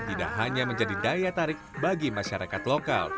tidak hanya menjadi daya tarik bagi masyarakat lokal